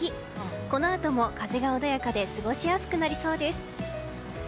このあとも風が穏やかで過ごしやすくなりそうです。